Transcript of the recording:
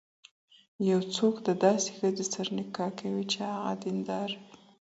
يو څوک د داسي ښځي سره نکاح کوي، چي هغه دينداره وي